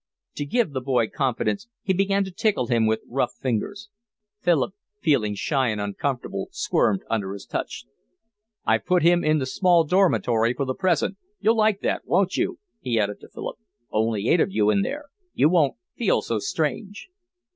To give the boy confidence he began to tickle him with rough fingers. Philip, feeling shy and uncomfortable, squirmed under his touch. "I've put him in the small dormitory for the present…. You'll like that, won't you?" he added to Philip. "Only eight of you in there. You won't feel so strange."